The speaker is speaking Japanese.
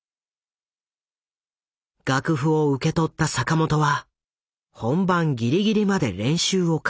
楽譜を受け取った坂本は本番ぎりぎりまで練習を重ねる。